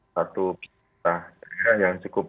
satu perusahaan daerah yang cukup